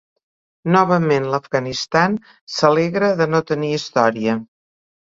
Novament, l'Afganistan "s'alegra de no tenir història".